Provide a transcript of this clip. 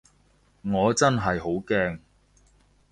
我真係好驚